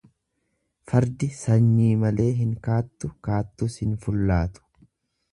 Fardi sanyii malee hin kaattu, kaattus hin fullaatu.